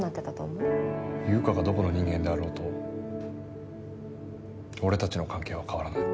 優香がどこの人間であろうと俺たちの関係は変わらない。